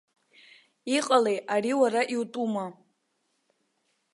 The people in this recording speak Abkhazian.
Иҟалеи, ари уара иутәума?